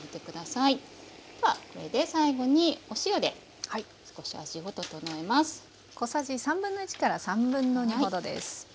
ではこれで最後にお塩で少し味を調えます。